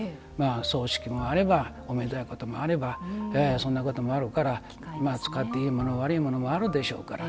葬式もあればおめでたいこともあるから使っていいもの悪いものもあるでしょうから。